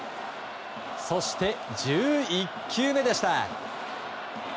そして、１１球目でした。